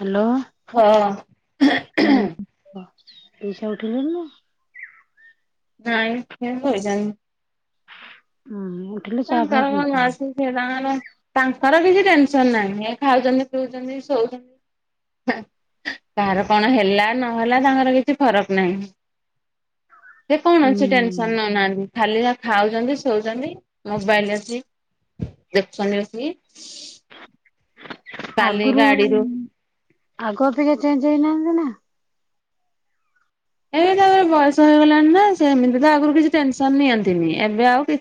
Hello. ହଁ। ହୁଁ ପ ପଇସା ଉଠିଲେଣି ନା? ନାଇଁ ସେ ଶୋଇଛନ୍ତିା ଉଁ ହୁଁ। ଉଠିଲେ କ ଚା ଫା କାର କ ନା ପିଉଥିଲେ। ଆସି। ସିଏ ତାଙ୍କର ତାଙ୍କର କିଛି ଟେନସନ୍ ନାହିଁ। ଏ ଖାଉଚନ୍ତି ପିଉଚନ୍ତି, ଶୋଉଚନ୍ତି। କାହାର କଣ ହେଲା ନହେଲା ତାଙ୍କର କିଛି ଫରକ ନାହିଁ। ସେ କୌଣସି ଟେନସନ୍ ହୁଁ ନଉନାହାନ୍ତି ଖାଲି ଯା ଖାଉଚନ୍ତି ଶୋଉଚନ୍ତି। ମୋବାଇଲ୍ ଅଛି ଦେଖଛନ୍ତି ବସିକି। କାଲି ଆଗୁରୁ, ଗାଡିରୁ ଆଗ ଅପେକ୍ଷା ଚେଞ୍ଜ ହେଇନାହାନ୍ତି ନା? ଏଇ ତା ଆଉ ଏ ବୟସ ହେଇଗଲାଣି ନା ସେମିତି ତ ଆଗରୁ କିଛି ଟେନସନ୍ ନିଅନ୍ତିନି। ଏବେ ଆଉ କି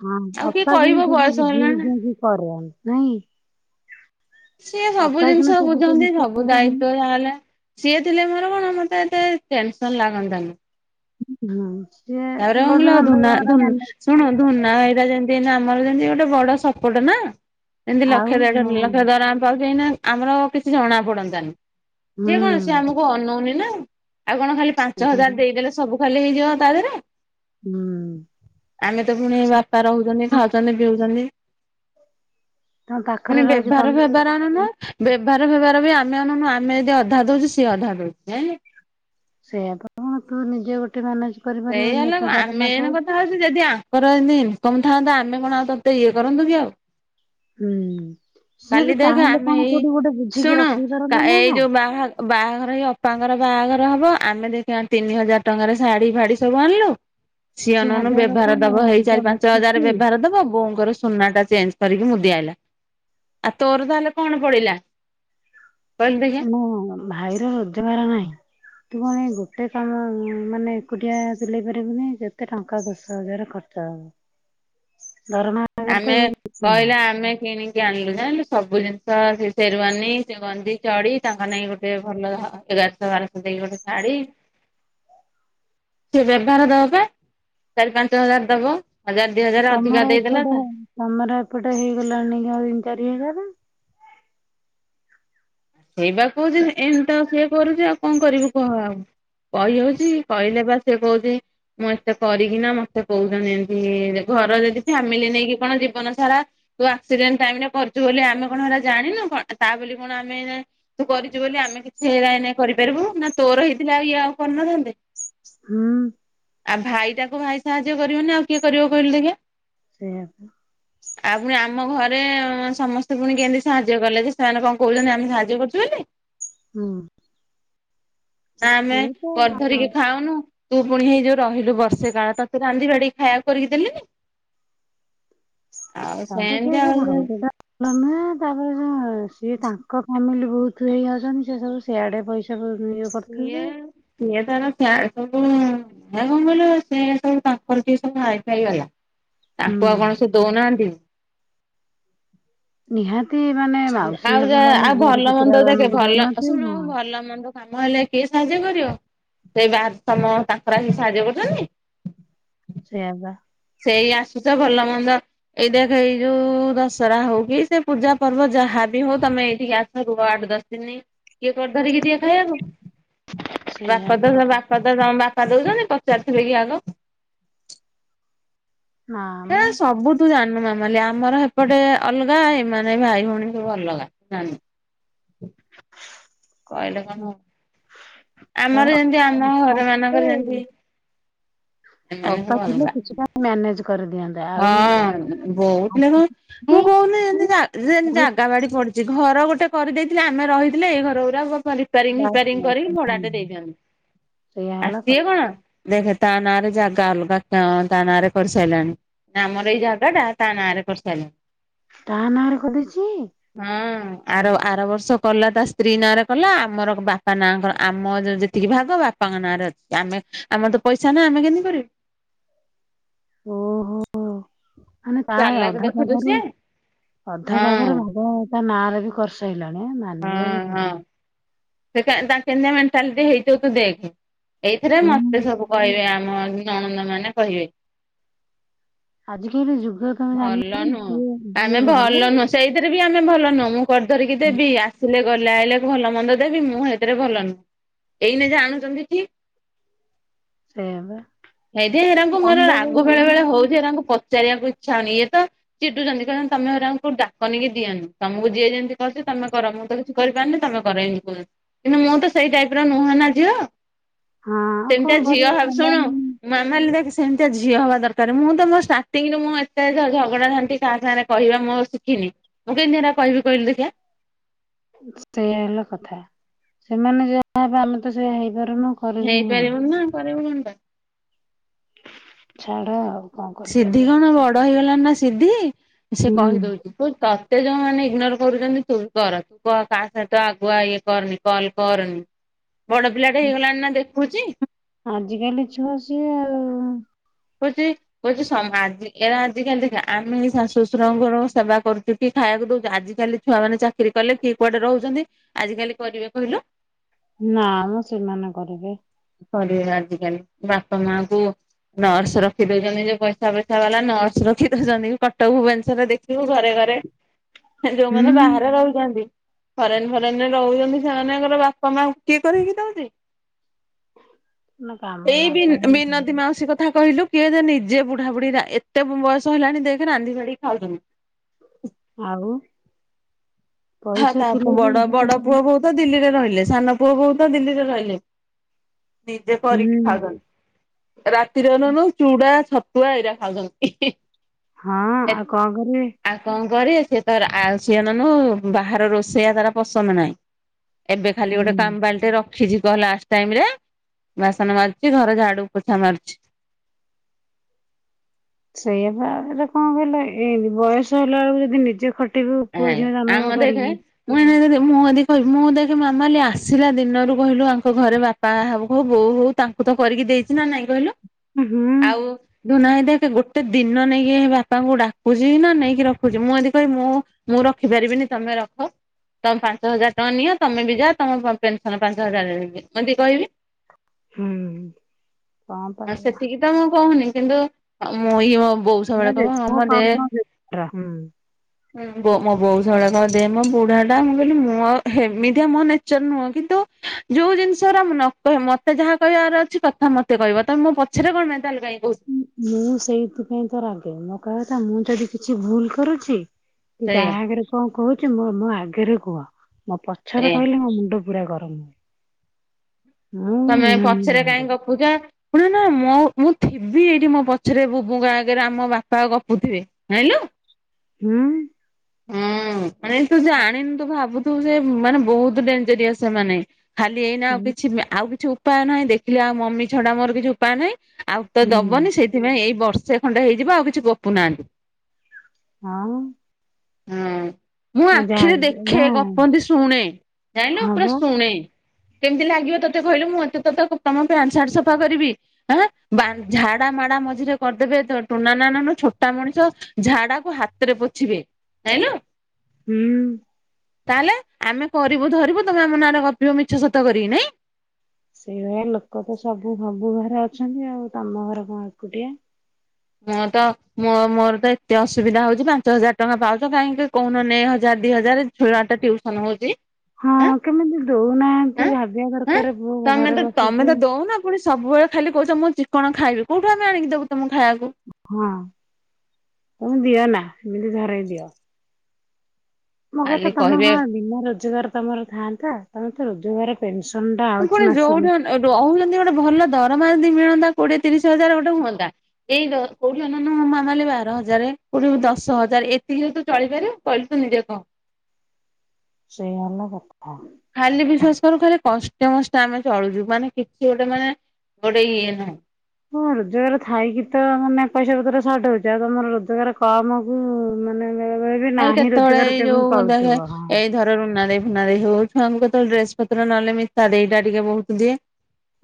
ହଁ ଅପା କଣ ସେବି ବୁଝି ବୁଝି ହେଲାଣି। ବୁଝି କରିବା ନାଇଁ। ସିଏ ସବୁ ଅପା କିନା ଜିନିଷ ସବୁ ବୁଝନ୍ତି। ସବୁ ଟେନସନ୍ ଦାୟିତ୍ଵ ତାହେଲେ ସିଏ ଥିଲେ ମୋର କଣ ମୋତେ ଏତେ ଟେନସନ୍ ଲାଗନ୍ତାନି। ହଁ ସିଏ ବୋଧେ [unintelligible] ମେନେ ଶୁଣ ଧୁନା ହେଇରା ଯେମିତି ଏଇନେ ଆମର ଯେମିତି ଗୋଟେ ବଡ ସପୋଟ ନା। ଏମତି ଆଉ ଲକ୍ଷ ଦେଢ ହଁ ଲକ୍ଷ ଦରମା ପାଉଚ ଏଇନା ଆମର କିଛି ଜଣା ପଡନ୍ତାନି। ସିଏ କଣ ସିଏ ହୁଁ। ଆମକୁ ଅନଉନି ନା। ଆଉ କଣ ଖାଲି ପାଞ୍ଚ ହଜାର ଦେଇଦେଲେ ସବୁ ଭଲ ହେଇଯିବ ତା ଦେହରେ। ହୁଁ। ଆମେ ତ ପୁଣି ବାପା ରହୁଚନ୍ତି, ଖାଉଚନ୍ତି, ପିଉଚନ୍ତି। ତମ ପାଖରେ ପୁଣି ରହିକି ବେଭାର, ତମେ ଫେବା ଜାଣନା ବେଭାରର ଫେବାର ବି ଆମେ ଆଣୁନୁ। ଆମେ ଯଦି ଅଧା ଦଉଚୁ ସିଏ ଅଧା ଦଉଚି ଜାଣିଲ। ସେଇୟା ତ କଣ ତୁ ନିଜେ ଗୋଟେ ମେନେଜ ସେଇ ହେଲା ଆ, ମେନ କଥା ହଉଚୁ ଯଦି ଆଙ୍କର ଏମିତି ଇନକମ୍ ଥାଆନ୍ତା ଆମେ କଣ ଆଉ ତୋତେ ଇଏ କରନ୍ତୁ କି ଆଉ। ହୁଁ ସିଏ ବି କାଲି ଦେଖ ଚାହିଁଲେ ଆମେ କଣ ଏଇ କୋଉଠି ଗୋଟେ ବୁଝିକି ଶୁଣୁ ରଖେଇ ପାରନ୍ତା ନା କା-ଏଇ ନା। ଯୋଉ ବାହା ବାହାଘର ହେଇ ଅପାଙ୍କର ବାହାଘର ହବ ଆମେ ଦେଖେ ଆଣ ତିନି ହଜାର ଟଙ୍କାର ଶାଢୀ ଫାଢୀ ସବୁ ଆଣିଲୁ। ସିଏ ସେ ଅନଉନୁ ଭାବିବା ବେଭାର କଥା ମୋ ଦବ ଏଇ ଭାଇ ଟା ଚାରି ପାଞ୍ଚ ହଜାର ବସିଛି ବେଭାର ଦବ ବୋଉଙ୍କର ସୁନା ଟା ଚେଞ୍ଜ କରିକି ମୁଦି ଆଇଲା ଆଉ ତୋର ତାହେଲେ କଣ ପଡିଲା। କହିଲୁ ଦେ ହଁ ଭାଇର ରୋଜଗାର ନାହିଁ। ତୁ କଣ ଏ ଗୋଟେ କାମ ମାନେ ଏକୁଟିଆ ତୁଲେଇ ପାରିବୁ ନାଇଁ କେତେ ଟଙ୍କା ଦଶ ହଜାର ଖର୍ଚ୍ଚ ହବ। [inaudible] ଦରମା ଆଗରେ ଆମେ ତ ଇଏ କିଛି କହିଲା ନାହିଁ। ଆମେ କିଣି କି ଆଣିଲୁ ଜାଣିଲୁ ସବୁ ଜିନିଷ ସେ ସେରୱାନୀ ସେ ଗଞ୍ଜି ଚଢି ତାଙ୍କ ନାଇକି ଗୋଟେ ଭଲ [unintelligible] ତ ବାରଶ ଦେଇକି ଗୋଟେ ଶାଢୀ। ସିଏ ବେଭାର ଦବ ପା ଚାରି ପାଞ୍ଚ ହଜାର ଦବ। ହଜାର ଦି ହଜାର ଅଧିକା ଦେଇଦେଲା ଓ ହଁ ତା ତୋମର ଏପଟେ ହେଇଗଲାଣି ତିନ ଚାରି ହଜାର? ସେଇବା କହୁଚି ଏନ ତ ସିଏ କରୁଚି ଆଉ କଣ କରିବୁ କହ ଆଉ। କହି ହଉଚି କହିଲେ ପା ସିଏ କହୁଚି ମୁଁ ଏତେ କରିକିନା ମୋତେ କହୁଛନ୍ତି ଏମିତି। ରେ ଘର ଯଦି ଫ୍ୟାମିଲି ନେଇକି କଣ ଜୀବନ ସାରା ତୁ ଆକ୍ସିଡେଣ୍ଟ ଟାଇମ୍ ରେ କରିଚୁ ବୋଲି ଆମେ କଣ ହେଟା ଜାଣିନୁ କଣ ଆ, ତା ବୋଲି କଣ ଆମେ ଯା ତୁ କରିଚୁ ବୋଲି ଆମେ କିଛି ହେଇରା ଏଇନେ କରିପାରିବୁ। ନା ତୋର ହେଇଥିଲା ଆଉ ଇଏ ଆଉ କରିନଥାନ୍ତେ। ହୁଁ। ଆଉ ଭାଇ ଟାକୁ ଭାଇ ସାହାଯ୍ୟ କରିବନି ଆଉ କିଏ କରିବ କହିଲୁ ଦେଖିଆ। ସେଇୟା ପା। ଆଉ ପୁଣି ଆମ ଘରେ ସମସ୍ତେ ପୁଣି କେମତି ସାହାଯ୍ୟ କଲେ। ଯେ ସେମାନେ କଣ କହୁଚନ୍ତି ଆମେ ସାହା ଯ୍ୟ କରୁଚୁ ବୋଲି। ହୁଁ। ନା ଆମେ ସିଏ ତ କରି ଧରିକି ଖାଉନୁ। ତୁ ପୁଣି ହେଇ ଯୋଉ ରହିଲୁ ବର୍ଷେ କାଳ ତୋତେ ରାନ୍ଧି ବାଢ଼ିକି ଖାଇଆକୁ କରିକି ଦେଲିନି। ଆଉ ସେମତି ଆଉ ଲୋ ନା ତାପରେ ସ ସିଏ ତାଙ୍କ ଫ୍ୟାମିଲି ବହୁତ ହେଇ ଯାଉଛନ୍ତି ସିଏ ସବୁ ସିଆଡେ ପଇସା ପ ନିଜେ ସିଏ କରିଥିବେ। ସିଏ ତାର ସବୁ କଣ କହିଲୁ ସେ ସବୁ ତାଙ୍କର ଟିକେ ସବୁ ହାଇ ଫାଇ ବାଲା। ହୁଁ। ତାଙ୍କୁ ଆଉ କଣ ସେ ଦଉନାହାନ୍ତି? ନିହାତି ମାନେ ମାଉସୀ ଆଉ ଯା ହେବ ମାନେ ଆଉ ଝିଆରୀ ଭଲ ପୁତୁରା ମନ୍ଦ ଦେଖେ ମାନଙ୍କୁ ଭଲ ଦଉନଥିବେ ଶୁଣ ହଁ। ଭଲ ମନ୍ଦ କାମ ହେଲେ କିଏ ସାହାଯ୍ୟ କରିବ। ସେଇ ବା ତମ ତାଙ୍କର ଆସିକି ସାହାଯ୍ୟ କରୁଛନ୍ତି। ସେଇଆ ବା। ସେଇ ଆସୁଚ ଭଲ ମନ୍ଦ ଏଇ ଦେଖ ଏଇ ଯୋଉ ଦଶରା ହଉ କି ସେ ପୂଜା ପର୍ବ ଯାହାବି ହଉ ତମେ ଏଇଠିକି ଆ ରୁହ ଆଡ ଦଶ ଦିନ କିଏ ଧରିକି ଦିଏ ଖାଇବାକୁ। ସେଇଆ ବାପା ହେଲା ତ କଥା ବାପ୍ ସଦା ତମ ବାପା ଦଉଛନ୍ତି ପଚାରିଥିଲେ କି ଆଗ। ନା ଏ ମ ସବୁ ତୁ ଜାଣିନୁ ମାମାଲି ଆମର ହେପଟେ ଅଲଗା ଏ ମାନେ ଭାଇ ଭଉଣୀ ସବୁ ଅଲଗା। କହିଲେ କଣ ହବ। ଆମର ତାପରେ ଯେମିତି ଆମ ଅପା ଘର ମାନଙ୍କର ଯେମତି ଥିଲେ ଏମାନେ ଅପା ସବୁ ଥିଲେ ଅଲଗା। କିଛିଟା ମ୍ୟାନେଜ କରିଦିଅନ୍ତା ଆଉ ହଁ ବହୁତ ଲୋକ ମୁଁ କହୁନି। [unintelligible] ଯାଗା ବାଡ଼ି ପଡ଼ିଚି। ଘର ଗୋଟେ କରିଦେଇଥିଲେ ଆମେ ରହିଥିଲେ ଏଇ ଘର ଗୁଡ଼ା। [unintelligible] ରିପାରିଂ ଫିପାରିଂ କରି ଭଡାଟେ ଦେଇଥାନ୍ତୁ। ସେଇଆ ଆ ହେଲା ସିଏ କଥା କଣ ଦେଖ ତା ନା ଆରେ ଜାଗା ଅଲଗା ତା ନାଁ ରେ କରିସାରିଲାଣି। ଆମର ଏଇ ଜାଗା ଟା ତା ନାଁ ରେ କରିସାରିଲାଣି। ତା ନାଁରେ କରିଦେଇଚି! ହଁ ଆର ଆର ବର୍ଷ କଲା ତା ସ୍ତ୍ରୀ ନାରେ। କଲା। ଆମର ବାପା ନାଁ ଙ୍କର ଆମ ଯେତିକି ଭାଗ ବାପାଙ୍କ ନାଁରେ ଅଛି। ଆମେ ଆମର ତ ପଇସା ନାହିଁ ଆମେ କେମତି କରିବୁ। ଓହୋ। ମାନେ ପ୍ରାୟ ଚାଲାକ ଅଧା ଦେଖୁଛୁ ଜାଗାରୁ ସିଏ ଅଧା ହଁ ଜାଗାରୁ ଭାଗ ତା ନାଁରେ ବି କରିସାଇଲାଣି ହଁ ମାନିବାକୁ ହଁ ପଡିବି। ସେ ତା କେନ୍ତିଆ ମେଣ୍ଟାଲିଟି ହେଇଥିବ ତୁ ଦେଖ। ଏଇଥିରେ ମତେ ହୁଁ। ସବୁ କହିବେ ଆମ ନଣନ୍ଦ ମାନେ କହିବେ। ଆଜିକାଲି ଯୁଗ ତମେ ଭଲ ଜାଣିନ ନୁହଁ, ଯିଏ ଯିଏ ଆମେ ଭଲ ନୁହଁ। ସେଇଥିରେ ବି ଆମେ ଭଲ ନୁହଁ। ମୁଁ କରି ଧରିକି ଦେବି ଆସିଲେ ଗଲେ ଆଇଲେ ଭଲ ମନ୍ଦ ଦେବି ମୁଁ ହେଥିରେ ଭଲ ନୁହଁ। ଏଇନେ ଜାଣୁଛନ୍ତି ଠିକ୍। ସେଇଆ ବା। ହେଇଥି ପାଇଁ ହେରାଙ୍କୁ ମୋର ଜାଣିଲା ରାଗ ବେଳକୁ ବେଳେ ହଁ ବେଳେ ହଉଛି ହେରାଙ୍କୁ ପଚାରିବାକୁ ଇ ଛା ହଉନି। ଇଏତ ଚିଡୁଛନ୍ତି। କହୁଛନ୍ତି ତମେ ହେରାଙ୍କୁ ଡାକନି କି ଦିଅନି। ତମକୁ ଯିଏ ଯେମିତି କରୁଚି ତମେ କର। ମୁଁ ତ କି କରିପାରୁନି ତମେ କର। ଏମିତି କହୁଚନ୍ତି। କିନ୍ତୁ ମୁଁ ତ ସେଇ ଟାଇପ ର ନୁହେଁ ନା ଝିଅ। ଆଉ କଣ ସେମିତିଆ ଝିଅ କରିବ ହବି ଶୁଣୁ ସେମାନେ ମାମାଲି ଦେଖ୍ ସେମିତିଆ ଝିଅ ହବା ଦରକାର। ମୁଁ ତ ମୋ ଷ୍ଟାର୍ଟିଂରେ ମୁଁ ଏ ସେ ଝଗଡ଼ା ଝାଣ୍ଟି କାହା ସାଙ୍ଗରେ କହିବା ମୁଁ ଶିଖିନି। ମୁଁ କେମିତି ହେରା କହିବି କହିଲୁ ଦେଖିଆ। ସେଇୟା ହେଲା କଥା। ସେମାନେ ଯାହା ହେବେ ଆମେ ତ ସେଇୟା ହେଇପାରୁନୁ। କରିବୁ କଣ? ହେଇପାରିବୁନି ନା କରିବୁ କଣ ଟା। ଛାଡ ଆଉ। କଣ ସିଧି କରିପାରିବା କଣ ବଡ ହେଇଗଲାଣି ନା ସିଧି ସେ ହୁଁ। କହି ଦଉଚି। କହୁଚି ତତେ ଯୋଉ ମାନେ ଇଗ୍ନୋର କରୁଛନ୍ତି ତୁ ବି କର। ତୁ କାହା ସହିତ ଆଗୁଆ ଇଏ କରନି। କଲ୍ କରନି। ବଡ ପିଲା ଟା ହେଇଗଲାଣି ନା ଦେଖୁଚି। ଆଜିିକାଲି ଛୁଆ ସିଏ ଆଉ। [unintelligible] କହୁଚି ସମାଜ ଏରା ଆଜିିକାଲି ଦେଖ ଆମେ ଶାଶୁ ଶଶୁରଙ୍କର ସେବା କରୁଚୁ ଟି ଖାଇବାକୁ ଦଉଚୁ ଆଜିିକାଲି ଛୁଆମାନେ ଚାକିରି କଲେ କିଏ କୁଆଡେ ରହୁଛନ୍ତି ଆଜି କାଲି କରିବେ କହିଲୁ। ନା ମ ସେମାନେ କରିବେ। କରିବ ଆଜିକାଲି ବାପା ମା କୁ ନର୍ସ ରଖି ଦୋଉଚନ୍ତି ଯୋଉ ପଇସା ପଇସା ବାଲା ନର୍ସ ରଖି ଦୋଉଚନ୍ତି କଟ ଭୁବନେଶ୍ୱରରେ ଦେଖିବୁ ଘରେ ଘରେ ହୁଁ ଯୋଉମାନେ ବାହାରେ ରହୁଚନ୍ତି। ଫରେନ ଫରେନ ରେ ରହୁଚନ୍ତି ସେମାନଙ୍କର ବାପା ମାଙ୍କୁ କିଏ କରକି ଦୋଉଚି? ନା କାମ ଏଇ ନା ବି ବିନାଦି ଜାଣିନି ମାସିକ କ କଥା କହିଲୁ କିଏ ଯେ ନିଜେ ବୁଢାବୁଢ଼ୀ ଏତେ ବୟସ ହେଲାଣି ଦେଖେ ରାନ୍ଧିବାଡିକି ଖାଉଚନ୍ତି। ଆଉ ହଁ ପଇସା ତା ଥିଲେ ବି ବଡ ବଡ ପୁଅ ବୋହୂ ତ ଦିଲ୍ଲୀରେ ରହିଲେ, ସାନ ପୁଅ ବୋହୂ ତ ଦିଲ୍ଲୀରେ ରହିଲେ। ନିଜେ କରିକି ହୁଁ। ଖାଉଚନ୍ତି, ରା ତିରନୁ ଚୁଡା ଛତୁଆ ଏଇରା ଖାଉଚନ୍ତି। ହଁ ଆଉ କଣ କରିବେ? ଆଉ କଣ କର ସେ ତାର ଆଳ ସିଅନନୁ ବାହହାର ରୋଷେଇଆ ତାର ପସନ୍ଦ ନାହିଁ। ଏବେ ଖାଲି ଗୋଟେ ହୁଁ। କମ୍ ଟେ ରଖ ଖିଛି କହ ଲାଷ୍ଟ ଟାଇମ ରେ ବାସନ ମାରୁଚି ଘର ଝାଡୁ ପୋଛା ମାରୁଚି। ସେଇ ବା ଏରା କଣ କହିଲ ଏ ବୟସ ହେଲା ବେଳକୁ ଯଦି ନିଜେ ଖ ଖଟିବ ପୁଅ ଆଜ୍ଞା ଝିଅ ଆମ ଜନମ ଦେଖେ କରିକି। ମୁଁ ମୁଁ ଯଦି କହିବି ମୁଁ ଦେଖି ମାମା ଆସିଲା ଦିନରୁ କହିଲୁ ୟାଙ୍କ ଘରେ ବାପା ବାହା ହବୁ କ ବୋଉ ହୋଉ ତାଙ୍କୁ ତ କରିକି ଦେଇଚି ନା ନାଇଁ କହିଲୁ ହୁଁ ଆଉ। ଦୁ ନାଇ ଦେଖ ଗୋଟେ ଦିନ ନେଇକି ବାପାଙ୍କୁ ଡାକୁଚି ନା ନେଇକି ରଖୁଚି ମୁଁ ଏ ଯଦି କହିବି ମୁଁ ମୁଁ ରଖିପାରିବିନି ତମେ ରଖ। ତମ ପାଞ୍ଚ ହଜାର ଟଙ୍କା ନିଅ ତମେ ବି ଯାଅ ତମ ପେନସନ ପାଞ୍ଚ ହଜାର [unintelligible] ହୁଁ କ ପା ସେତିକି ତ ମୁଁ କୋହୁନି କିନ୍ତୁ ମୁଁ ଇ ବୋଉ ସ ହେରା ବଳେ କହିବ ହଁ ଜେଜେଙ୍କ ମ ଦେ କର୍ମ ହୁଁ। ମୋ ବୋ ବୋଉ ସବୁବେଳେ କହିବ ମୋ ବୁଢା ଟା ମୁଁ କହିଲି ମୁଁ ଆଉ ହେମିତିଆ ମୋ ନେଚର ନୁହଁ କିନ୍ତୁ ଯୋଉ ଜିନିଷ ର ନ କହିବ ମତେ ଯାହା କହିବାର ଅଛି କଥା ମତେ କହିବ ତମେ ମୋ ପଛରେ କଣେେ ତାହେ କାଇଁ କୋହୁ ମୁଁ ସେଇଥିପାଇଁ ତ ରାଗେ ମୋ କହଥା ମୁଁ ଯଦି କିଛି ଭୁଲ କରୁଚି। ସେଇଆ କାହା ଆଗରେ କଣ କୋହୁଚି ମୋ ଆଗରେ କୁହ ମୋ ପଛରେ ସେଇଆ କହିଲେ ମୋ ମୁଣ୍ଡ ପୁରା ଗରମ ହୁଏ। ମୁଁ ତମେ ମୁହେଁ ମୁହେଁ ପଛରେ ଝଗଡେ କାଇହିଁ ଗପୁଚ ପୁଣି ନା ମ ମୁଁ ଥିବି ଏଇଠି ମୋ ପଛରେ ବୁବୁଙ୍କ ଆଗରେ ଆମ ବାପା ଗପୁଥିବେ। [unintelligible] ହୁଁ। ହୁଁ ମାନେ ତୁ ଜାଣିନୁ ତୁ ଭାବୁୁ ତୁ ସେ ମାନେ ବୋହୁତ ଡେଞ୍ଜରିୟସ୍ ସେମାନେ, ଖାଲି ଏଇନା ଆଉ ହୁଁ କିଛି ଆଉ କିଛି ଉପାୟ ନାହିଁ ଦେଖିଲେ ଆଉ ମମି ଛଡା ମୋର କିଛି ଉପାୟ ନାହିଁ। ଆଉ ତ ହୁଁ ଦବନି ସେଇ ସେଥିପାଇଁ ଏଇ ବର୍ଷେ ଖଣ୍ଡେ ହେଇଯିବ ଆଉ କିଛି ଗୋପୁ ନାହାନ୍ତି। ହଁ। ହୁଁ। ମୁଁ ଯାହା ଆଖିରେ ନା ଦେଖେ ଗପନ୍ତି ଶୁଣେ ଜାଇଲ ହଁ ପୁରା ବା ଶୁଣେ। କେମିତି ଲାଗିବ ତୋତେ କହିଲୁ ମୁଁ ଏତେ ତୋ ତମ ପ୍ୟାଣ୍ଟ ସାର୍ଟ ସଫା କରିବି ହଁ ବା ଝାଡା ମାଡା ମଝିରେ କରିଦେବେ ଟୁନ ନ ନନ ଛୋଟା ମଣିଷ ଝାଡା କ ହାତରେ ପୋଛିବେ ଜାଇଁଲୁ। ହୁଁ। ତାହେଲେ ଆମେ କରିବୁ ଧରିବୁ ତମେ ଆମ ନାଁରେ ଗପିବ ମିଛ ସତ କରିକି ନାଇଁ। ସେଇଭଳିଆ ଲୋକ ତ ସବୁ ସବୁ ଘରେ ଅଛନ୍ତି ଆଉ ତମ ଘର କଣ ଏକୁଟିଆ। ମୁଁ ତ ମୋ ମୋର ତ ଏତେ ଅସୁବିଧା ହୋଉଚି ପାଞ୍ଚ ହଜାର ଟଙ୍କା ପାଉଚ କାହିଁକି କହୁନହ ନେ ହଜାରେ ଦି ହଜାରେ। ଛୋଟ ଆଟା ଟ୍ୟୁସନ ହୋଉଚି। ହଁ କେମିତି ଦୋଉନାହାନ୍ତି ଭାବିବା ଆଁ ଦରକାର ପୁଅ ତମେ ଘରେ ତ ତମେ ବସିଚି। ତ ଦଉନ ପୁଣି ସବୁବେଳେ ଖାଲି କୋହୁଚ ମୁଁ ଚିକଣି ଖାଇବି କୋଉଠୁ ଆଣିକି ଦବୁ ତମ ଖାଇବାକୁ। ହଁ ତମେ ଦିଅ ନା ଏମିତି ଧରେଇ ଦିଅ। ମୋ କଥା ଖାଲି ତମେ କହିବେ ହଁ ବିନା ରୋଜଗାର ତମର ଥାଆନ୍ତା ତମେ ତ ରୋଜଗାର। ପେନସନ ଟା ଆଉଛି ମାସକୁ। ଏ ରହୁଛନ୍ତି ଗୋଟେ ଭଲ ଦରମା ଯଦି ମିଳନ୍ତା କୋଡିଏ ତିରିଶ ହଜାର ଗୋଟେ ହୁଅନ୍ତା। ଏଇ ଦ କୋଉଠି ଅନଉନୁ ମାମାଲିି ବାର ହଜାରେ କୋଉଠି ଦଶ ହଜାର ଏତିକିରେ ତୁ ଚଳିପାରିବୁ। କହିଲୁ ତୁ ନିଜେ କହ। ସେୟା ହେଲା କଥା। ଖାଲି ବିଶ୍ଵାସ କର ଖାଲି କଷ୍ଟେ ମଷ୍ଟେ ଆମେ ଚଳୁଛୁ ମାନେ କିଛି ଗୋଟେ ମାନେ ଗୋଟେ ଇଏ ନାହିଁ। ହଁ ରୋଜଗାର ଥାଇକି ତ ମାନେ ପଇସା ପତ୍ର ସର୍ଟ ହଉଛି ଆଉ ତମର ରୋଜଗାର କମ। ଉ ମାନେ ବେଳେ ବେଳେ ବି ଭାଇ ନାହିଁ ରୋଜଗାର କେମିତି ଚଳୁଥିବ ହଁ। ଘର ର ଉନା ଦେଇ ଫୁନା ଦେଇ ହଉ ଛୁଆକୁ କେତେବେଳେ ଡ୍ରେସ ପତ୍ର ନହେଲେ ମିତା ଦେଇ ଟା ଟିକେ ବହୁତ ଦିଏ।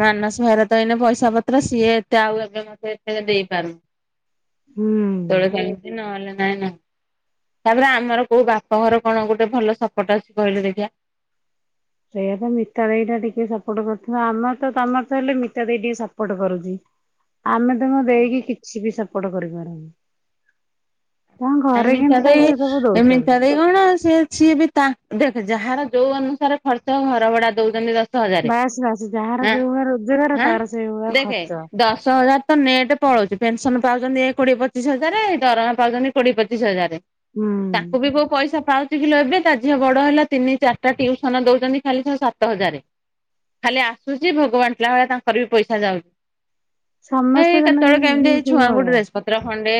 ମାନସ ଭାଇରା ତ ଏଇନେ ପଇସା ପତ୍ର ସିଏ ଏତେ ଆଉ ଏବେ ମତେ ଏତେ ଦେଇପାରୁ ହୁଁ। କେତେବେଳେ କେମିତି ନହେଲେ ନାଇ ନୁହ। ତାପରେ ଆମର କୋଉ ବାପ ଘର କଣ ଗୋଟେ ଭଲ ସପୋଟ ଅଛି କହିଲୁ ଦେଖିବା। ସେୟା ତ ମିତା ଦେଇ ଟା ଟିକେ ସପୋର୍ଟ କରୁଥିବ ଆମର ତମର ତମର ହେଲେ ମିତା ଦେଇ ଟିକେ ସପୋର୍ଟ କରୁଛି। [inaudible] ଆମେ ତମ ଦେଇକି କିଛି ବି ସପୋର୍ଟ କରିପାରୁନୁ। ତାଙ୍କ ଘରେ କେମିତି ତାକୁ ଏସବୁ ଦଉଛନ୍ତି। ଶୁଣ ସିଏ ସିଏ ବି ତା ଦେଖେ ଯାହାର ଯୋଉ ଅନୁସାରେ ଖର୍ଚ୍ଚ ଘର ଭଡା ଦଉଛନ୍ତି ଦ ଦଶ ହଜାରେ ବାସ୍ ବାସ୍ ଯାହାର ଆଁ ଯୋଉ ଭଳିଆ ରୋଜଗାର ହାଁ ତାର ସେଇ ଭଳିଆ ଦେଖେ ଖର୍ଚ୍ଚ ଦଶ ହଜାର। ତ ନେଟେ ପଳଉଛି ପେନସନ ପାଉଛନ୍ତି କୋଡିଏ ପଚିଶ ହଜାରେ ଦରମା ପାଉଛନ୍ତି କୋଡିଏ ପଚିଶ ହଜାରେ। ହୁଁ। ତାକୁ ବି କୋଉ ପଇସା ପାଉ ଏତିକି ଲୋ ଏବେ ତା ଝିଅ ବଡ ହେଲା ତିନି ଚାରିଟା ଟିଉସନ ଦଉଛନ୍ତି ଖାଲି ସା-ସାତ ହଜାରେ। ଖାଲି ଆସୁଛି ଭୋଗ ବାଣ୍ଟିଲା ଭଳିଆ ତାଙ୍କର ବି ପଇସା ଯାଉଛି। ସମସ୍ତେ ଏଇ ଜଣେ କେତେବେଳେ କେମିତି ଏଇ ସେଇ ଛୁଆଙ୍କୁ ଭଳିଆ ଡ୍ରେସ ପତ୍ର ଖଣ୍ଡେ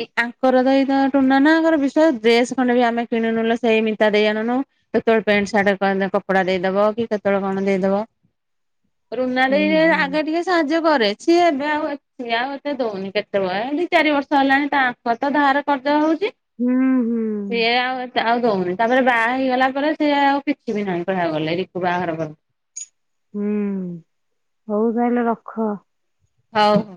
ଇ ଆଙ୍କର ତ ଏଇ ହଁ ଟୁନ ନନା ଆମର ବିଶ୍ୱାସ ଡ୍ରେସ ଖଣ୍ଡେ ବି ଆମେ କିଣୁନୁ ଲୋ ସେଇ ମିତା ଦେଇ ଆଣୁନୁ। କେତେବେଳେ ପ୍ୟାଣ୍ଟ ସାର୍ଟ କହିନେ କପଡା ଦେଇଦବ କି କେତେବେଳେ କଣ ଦେଇଦବ। ରୁନା ହୁଁ ଦେଇ ସେ ହୁଁ ଆଗେ ଟିକେ। ସାହାଯ୍ୟ କରେ ସିଏ ଏବେ ଆଉ ଏ ସିଏ ଆଉ ଏତେ ଦଉନି କେତେବେଳେ ଦି ଚାରି ବର୍ଷ ହେଲାଣି ତାଙ୍କର ତ ଧାର। କରଜ ହଉଛି। ହୁଁ ହୁଁ। ସିଏ ଆଉ ଏତେ ଆଉ ଦଉନି ତାପରେ ବାହା ହେଇଗଲା ପରେ ସିଏ ଆଉ କିଛି ବି ନାହିଁ କହିବାକୁ ଗଲେ ରିକୁ ବାହାଘର ପରେ। ହୁଁ ହଉ ତାହେଲେ ରଖ। ହଉ ହ